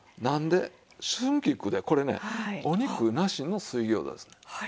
なんで春菊でこれねお肉なしの水餃子です。